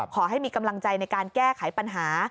ขอให้มีกำลังใจในการแก้ไขปัญหา